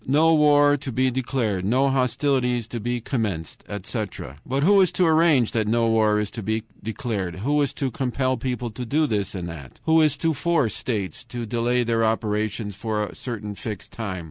"No war to be declared. No hostilities to be commenced," etc. But who is to arrange that no war is to be declared? Who is to compel people to do this and that? Who is to force states to delay their operations for a certain fixed time?